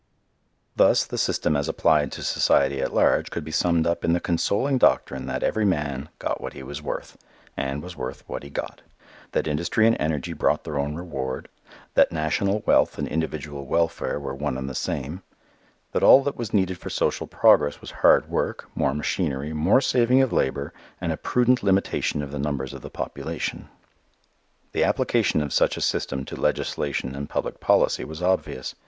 Thus the system as applied to society at large could be summed up in the consoling doctrine that every man got what he was worth, and was worth what he got; that industry and energy brought their own reward; that national wealth and individual welfare were one and the same; that all that was needed for social progress was hard work, more machinery, more saving of labor and a prudent limitation of the numbers of the population. The application of such a system to legislation and public policy was obvious.